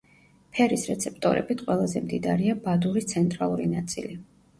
ფერის რეცეპტორებით ყველაზე მდიდარია ბადურის ცენტრალური ნაწილი.